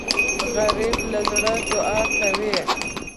غریب له زړه دعا کوي